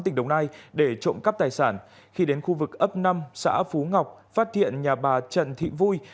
tỉnh đồng nai để trộm cắp tài sản khi đến khu vực ấp năm xã phú ngọc phát hiện nhà bà trần thị vui